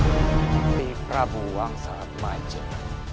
kupirabuwang saat majel